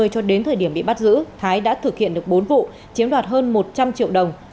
cho đến thời điểm bị bắt giữ thái đã thực hiện được bốn vụ chiếm đoạt hơn một trăm linh triệu đồng